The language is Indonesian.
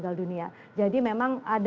kita untuk mencari